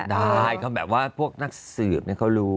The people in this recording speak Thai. ได้ก็แบบว่าพวกนักเสริมเนี่ยเขารู้